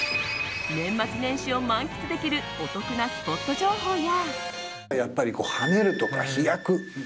年末年始を満喫できるお得なスポット情報や。